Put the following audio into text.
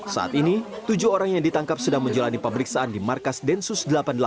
saat ini tujuh orang yang ditangkap sedang menjalani pemeriksaan di markas densus delapan puluh delapan